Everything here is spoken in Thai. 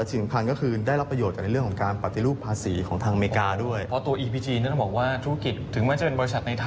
ถุรกิจครอบครุมทั่วโลกนะครับ